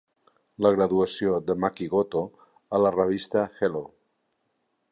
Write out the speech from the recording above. La graduació de Maki Goto a la revista Hello!